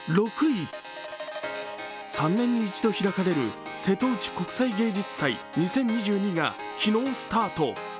３年に一度開かれる瀬戸内国際芸術祭２０２２が昨日スタート。